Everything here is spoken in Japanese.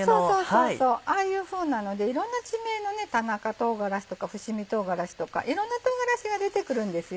そうそうああいうふうなのでいろんな地名のね田中とうがらしとか伏見とうがらしとかいろんなとうがらしが出てくるんですよ。